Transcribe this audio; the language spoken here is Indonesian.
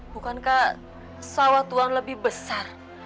bukankah sawah tuhan lebih besar